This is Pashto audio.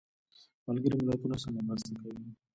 ملګري ملتونه څنګه مرسته کوي؟